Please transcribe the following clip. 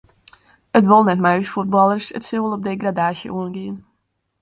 It wol net mei ús fuotballers, it sil wol op degradaasje oangean.